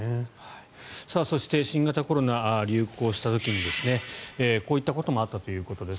そして、新型コロナが流行した時にこういったこともあったということです。